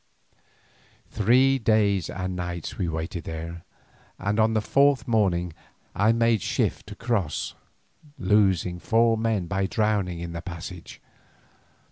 Three days and nights we waited there, and on the fourth morning I made shift to cross, losing four men by drowning in the passage.